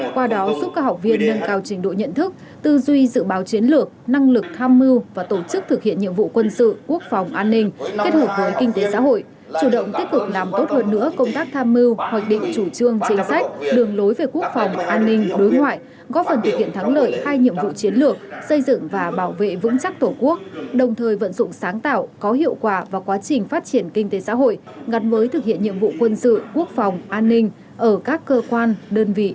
qua đó giúp các học viên nâng cao trình độ nhận thức tư duy dự báo chiến lược năng lực tham mưu và tổ chức thực hiện nhiệm vụ quân sự quốc phòng an ninh kết hợp với kinh tế xã hội chủ động tiếp tục làm tốt hơn nữa công tác tham mưu hoặc định chủ trương chính sách đường lối về quốc phòng an ninh đối ngoại góp phần thực hiện thắng lợi hai nhiệm vụ chiến lược xây dựng và bảo vệ vững chắc tổ quốc đồng thời vận dụng sáng tạo có hiệu quả và quá trình phát triển kinh tế xã hội gắn mới thực hiện nhiệm vụ